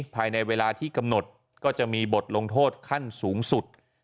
ภายในเวลาที่กำหนดก็จะมีบทลงโทษขั้นสูงสุด